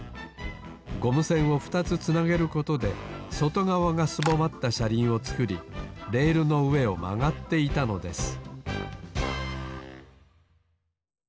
ゴム栓を２つつなげることでそとがわがすぼまったしゃりんをつくりレールのうえをまがっていたのです